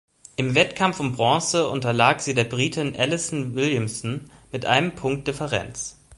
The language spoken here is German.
Im Wettkampf um Bronze unterlag sie der Britin Alison Williamson mit einem Punkt Differenz.